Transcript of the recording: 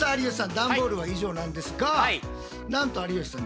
段ボールは以上なんですがなんと有吉さん